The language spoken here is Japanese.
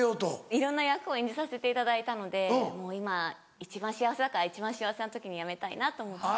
いろんな役を演じさせていただいたので今一番幸せだから一番幸せな時に辞めたいなと思って。